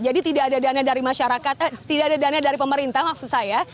jadi tidak ada dana dari masyarakat tidak ada dana dari pemerintah maksud saya